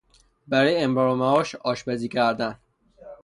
برای امرار معاش آشپزی کردن